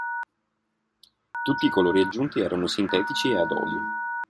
Tutti i colori aggiunti erano sintetici e ad olio.